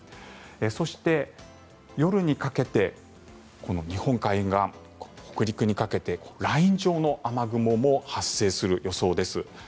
そして、夜にかけて日本海沿岸、北陸にかけてライン状の雨雲も発生する予想です。